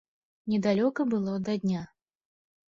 Недалёка было да дня.